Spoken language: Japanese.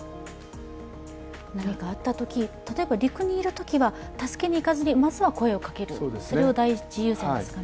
何かあったとき、例えば陸にいるときは、助けに行かずにまずは声をかける、それが第一優先ですかね。